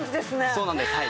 そうなんですはい。